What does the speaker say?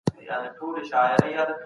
څوک چي ښه کارونه کوي هغه بریالی دی.